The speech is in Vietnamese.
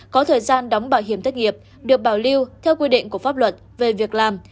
có thời gian đóng bảo hiểm thất nghiệp được bảo lưu theo quy định của pháp luật về việc làm